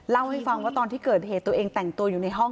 เล่าให้ฟังว่าตอนที่เกิดเหตุตัวเองแต่งตัวอยู่ในห้อง